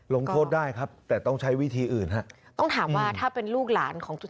ลงโทษได้ครับแต่ต้องใช้วิธีอื่นฮะ